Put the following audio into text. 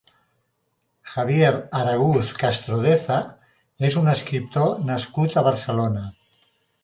Javier Araguz Castrodeza és un escriptor nascut a Barcelona.